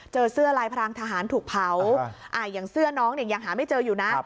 เจอเสื้อลายพรางทหารถูกเผาอย่างเสื้อน้องเนี่ยยังหาไม่เจออยู่นะ